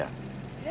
え？